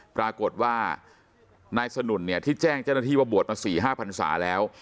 ปรากฏว่านายสนุนเนี่ยที่แจ้งเจ้าหน้าที่ว่าบวชมา๔๕พันศาแล้ว